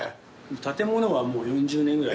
建物はもう４０年ぐらい。